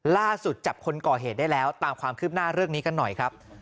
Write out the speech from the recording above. ล่าสุดจับคนก่อเหตุได้แล้วตามความคืบหน้าเรื่องนี้กันหน่อยครับ